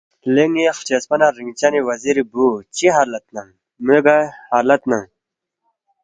لے ن٘ی خچسپا نہ رِنگچنی وزیری بُو، چِہ حالت ننگ، موے گا حالت ننگ؟